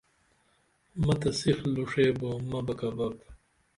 مہ تہ سیخ لوشے بو مہ بہ کبپ